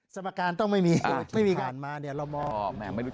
สมการต้องไม่มีไม่มีการมาเนี่ยเราบอก